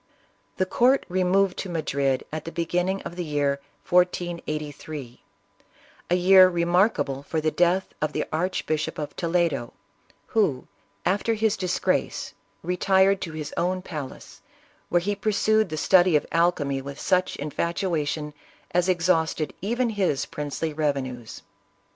The court removed to Madrid at the beginning of the year 1483 — a year remarkable for the death of the Archbishop of Toledo, who, after his disgrace, retired to his own palace, where he pursued the study of al chemy with such infatuation as exhausted even his princely revenues.